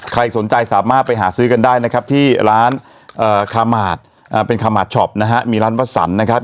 ใครสนใจสามารถไปหาซื้อกันได้นะครับที่ร้านคามาร์ทเป็นคามาร์ทชอปนะฮะมีร้านวัสสันนะครับ